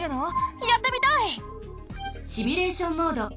シミュレーション・モード。